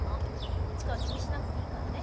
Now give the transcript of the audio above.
市川気にしなくていいからね。